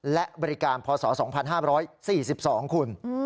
และบริการพศ๒๕๔๒คุณ